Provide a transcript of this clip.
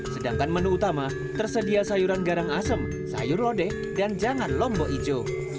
sedangkan menu utama tersedia sayuran garang asem sayur lodeh dan jangan lombok ijo